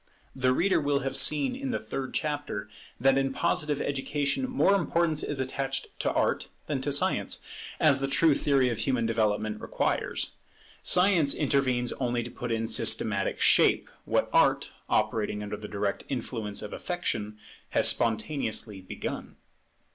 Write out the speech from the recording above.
The reader will have seen in the third chapter that in Positive education more importance is attached to Art than to Science, as the true theory of human development requires. Science intervenes only to put into systematic shape what Art, operating under the direct influence of affection, has spontaneously begun.